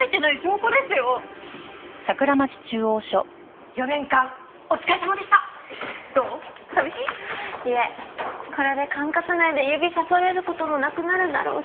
これで管轄内で指さされる事もなくなるだろうし。